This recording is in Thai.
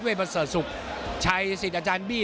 มาสะสุกชัยสิทธิ์อาจารย์บี้